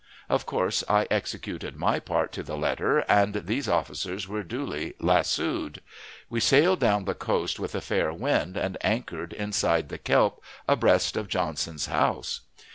Of course, I executed my part to the letter, and these officers were duly "lassooed." We sailed down the coast with a fair wind, and anchored inside the kelp, abreast of Johnson's house.